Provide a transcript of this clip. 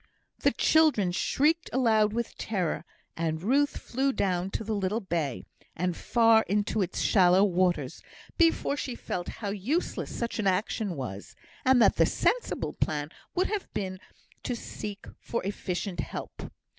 The children shrieked aloud with terror; and Ruth flew down to the little bay, and far into its shallow waters, before she felt how useless such an action was, and that the sensible plan would have been to seek for efficient help.